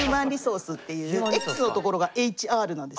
ｘのところがＨＲなんですよ。